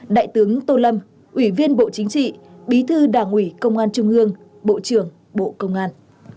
đại tướng tô lâm ủy viên bộ chính trị bí thư đảng ủy công an trung ương bộ trưởng bộ công an